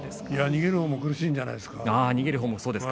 逃げる方も苦しいんじゃないですか。